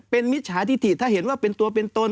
เป็นมิจฉาธิติถ้าเห็นว่าเป็นตัวเป็นตน